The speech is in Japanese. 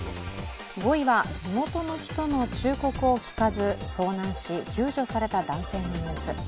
５位は地元の人の忠告を聞かず、遭難し、救助された男性のニュース。